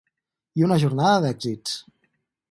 I una jornada d’èxits.